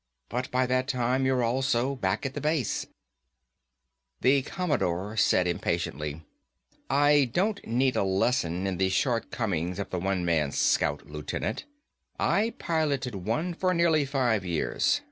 But by that time you're also back to the base." The Commodore said impatiently, "I don't need a lesson in the shortcomings of the One Man Scout, Lieutenant. I piloted one for nearly five years.